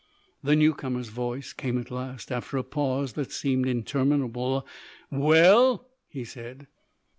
The new comer's voice came at last, after a pause that seemed interminable. "Well?" he said.